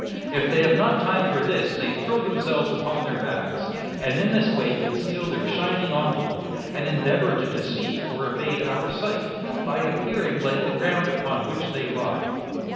If they have not time for this, they throw themselves L2 126 JUNE. upon their backs, and in this way conceal their shining envelope, and endeavour to deceive or evade our sight, by appearing like the ground upon which they lie.